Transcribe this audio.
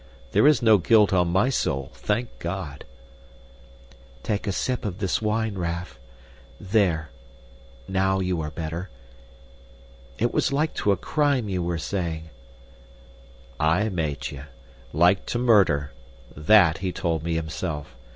There is no guilt on my soul, thank God!" "Take a sip of this wine, Raff. There, now you are better. It was like to a crime, you were saying." "Aye, Meitje, like to murder. THAT he told me himself.